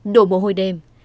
đổ mồ hôi đêm